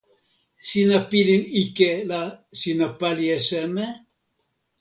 sina pilin ike la sina pali e seme?